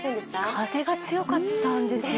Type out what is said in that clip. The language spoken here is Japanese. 風が強かったんですよね。